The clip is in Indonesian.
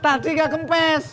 tadi gak kempes